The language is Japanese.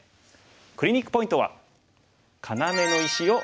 クリニックポイントは。